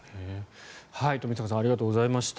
冨坂さんありがとうございました。